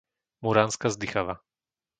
Muránska Zdychava